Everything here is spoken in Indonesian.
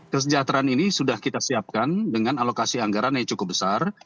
kesejahteraan ini sudah kita siapkan dengan alokasi anggaran yang cukup besar